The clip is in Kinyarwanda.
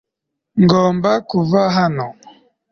ngomba kuva hano